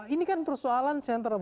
ini kan persoalan center of